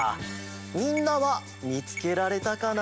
みんなはみつけられたかな？